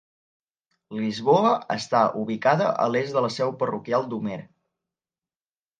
Lisboa està ubicada a l'est de la seu parroquial d'Homer.